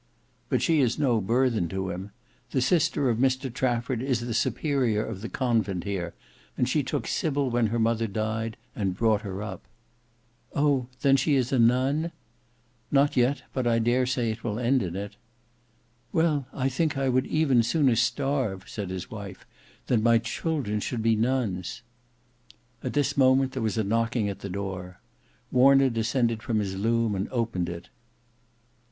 "But she is no burthen to him. The sister of Mr Trafford is the Superior of the convent here, and she took Sybil when her mother died, and brought her up." "Oh! then she is a nun?" "Not yet; but I dare say it will end in it." "Well, I think I would even sooner starve," said his wife, "than my children should be nuns." At this moment there was a knocking at the door. Warner descended from his loom and opened it.